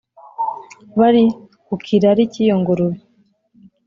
Bari ku kirari cy'iyo ngurube,